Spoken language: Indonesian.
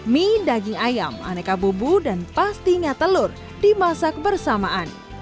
mie daging ayam aneka bubu dan pastinya telur dimasak bersamaan